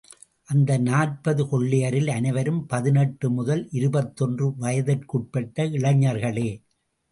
அந்த நாற்பது கொள்ளையரில் அனைவரும் பதினெட்டு முதல் இருபத்தொன்று வயதிற்குட்பட்ட இளைஞர்களே!